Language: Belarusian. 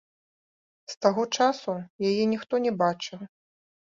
З таго часу яе ніхто не бачыў.